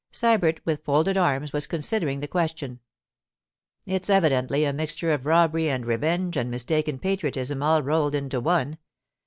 Sybert, with folded arms, was considering the question. 'It's evidently a mixture of robbery and revenge and mistaken patriotism all rolled into one.